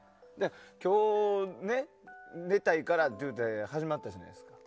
今日寝たいからって始まったじゃないですか。